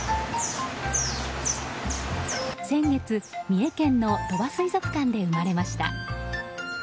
先月、三重県の鳥羽水族館で生まれました。